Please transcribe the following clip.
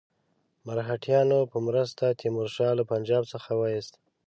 مرهټیانو په مرسته تیمور شاه له پنجاب څخه وایست.